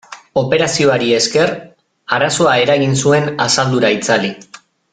Operazioari esker arazoa eragin zuen asaldura itzali.